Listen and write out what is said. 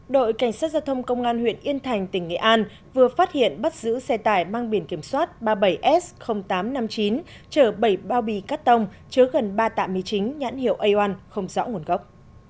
đội cảnh sát giao thông công an huyện yên thành tỉnh nghệ an vừa phát hiện bắt giữ xe tải mang biển kiểm soát ba mươi bảy s tám trăm năm mươi chín chở bảy bao bì cắt tông chứa gần ba tạ mì chính nhãn hiệu aom không rõ nguồn gốc